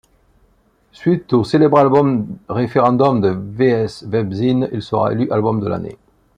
Suite au célèbre référendum de Vs-Webzine, il sera élu album de l'année.